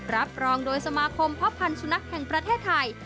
รับรองโดยสมาคมพ่อพันธ์สุนัขแห่งประเทศไทย